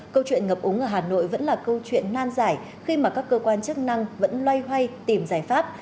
câu chuyện ngập úng ở hà nội vẫn là câu chuyện nan giải khi mà các cơ quan chức năng vẫn loay hoay tìm giải pháp